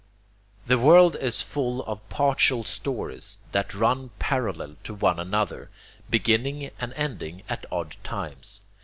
The world is full of partial stories that run parallel to one another, beginning and ending at odd times.